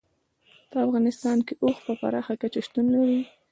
په افغانستان کې اوښ په پراخه کچه شتون لري.